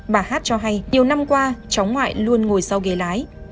bà hát cho hay nhiều năm qua cháu ngoại luôn ngồi sau ghế lái